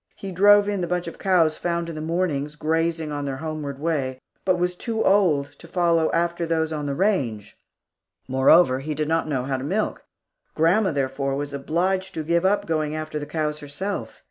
He drove in the bunch of cows found in the mornings grazing on their homeward way, but was too old to follow after those on the range. Moreover, he did not know how to milk. Grandma, therefore, was obliged to give up going after the cows herself.